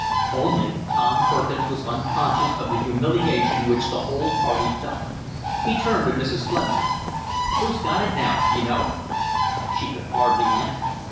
Only Tom Perkins was unconscious of the humiliation which the whole party felt. He turned to Mrs. Fleming. "Who's got it now, d'you know?" She could hardly answer.